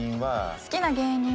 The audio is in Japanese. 好きな芸人は。